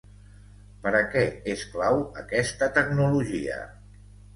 Per a què és clau aquesta tecnologia?